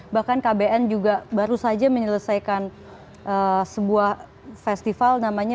dan kbn juga baru saja menyelesaikan sebuah festival namanya